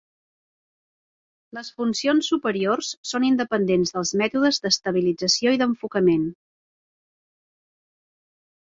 Les funcions superiors són independents dels mètodes d'estabilització i d'enfocament.